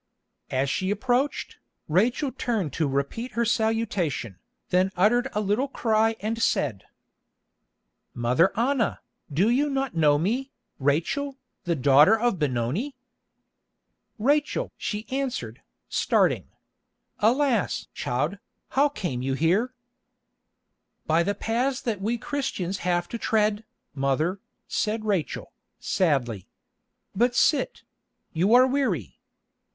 As she approached, Rachel turned to repeat her salutation, then uttered a little cry and said: "Mother Anna, do you not know me, Rachel, the daughter of Benoni?" "Rachel!" she answered, starting. "Alas! child, how came you here?" "By the paths that we Christians have to tread, mother," said Rachel, sadly. "But sit; you are weary.